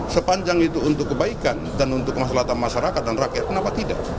sepanjang itu untuk kebaikan dan untuk masyarakat dan rakyat kenapa tidak